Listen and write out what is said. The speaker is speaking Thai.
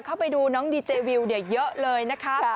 เข้าไปดูน้องดีเจวิวเยอะเลยนะคะ